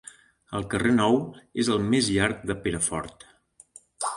El carrer Nou és el més llarg de Perafort.